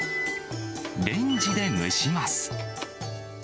レンジで蒸します。